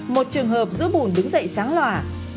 một trường hợp giữa buồn đứng dậy sáng loà